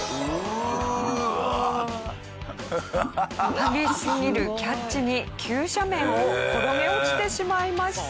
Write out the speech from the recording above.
激しすぎるキャッチに急斜面を転げ落ちてしまいました。